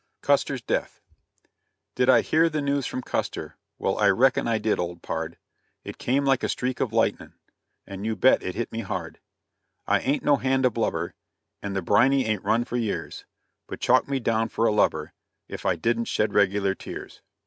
CUSTER'S DEATH. Did I hear the news from Custer? Well, I reckon I did, old pard; It came like a streak of lightnin', And, you bet, it hit me hard. I ain't no hand to blubber, And the briny ain't run for years; But chalk me down for a lubber, If I didn't shed regular tears.